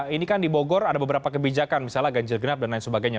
ini kan di bogor ada beberapa kebijakan misalnya ganjil genap dan lain sebagainya